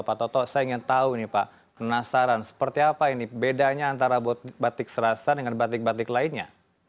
pak toto saya ingin tahu nih pak penasaran seperti apa ini bedanya antara batik serasan dengan batik batik lainnya